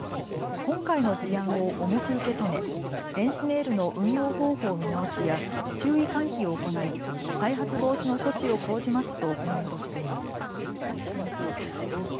今回の事案を重く受け止め電子メールの運用方法見直しや注意喚起を行い再発防止の処置を講じますとコメントしています。